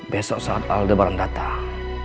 besok saat aldebaran datang